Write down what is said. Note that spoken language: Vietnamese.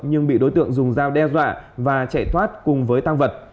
nhưng bị đối tượng dùng dao đe dọa và chạy thoát cùng với tăng vật